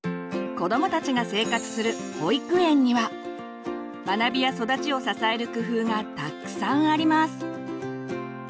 子どもたちが生活する保育園には学びや育ちを支える工夫がたくさんあります。